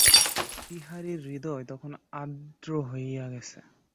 বিহারীর হৃদয় তখন আর্দ্র হইয়া গেছে।